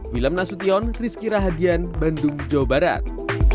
wilham nasution kris kira hadian bandung jawa barat